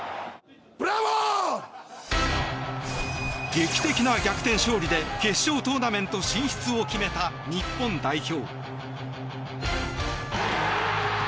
劇的な逆転勝利で決勝トーナメント進出を決めた日本代表。